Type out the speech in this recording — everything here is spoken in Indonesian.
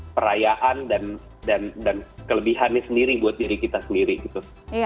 perayaan dan kelebihannya sendiri buat diri kita sendiri gitu